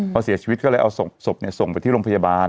พอเสียชีวิตก็เลยเอาศพส่งไปที่โรงพยาบาล